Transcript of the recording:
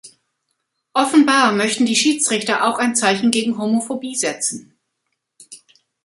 Offenbar möchten die Schiedsrichter auch ein Zeichen gegen Homophobie setzen.